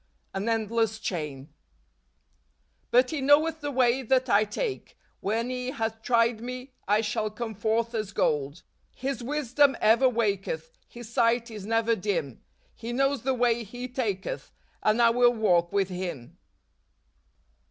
An Endless Chain. " But he knoweth the way that I take: when he hath tried me, I shall come forth as gold." " His wisdom ever waketh , His sight is never dim ; He knows the way He taketh , And l will walk with Him."